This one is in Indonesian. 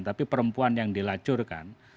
tapi perempuan yang dilacurkan